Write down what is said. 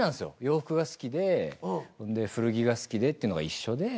洋服が好きでほんで古着が好きでっていうのが一緒で。